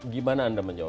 gimana anda menjawab itu